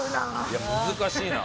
いや難しいな。